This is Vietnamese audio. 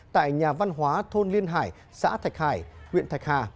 tại nhà văn hóa thôn liên hải xã thạch hải huyện thạch hà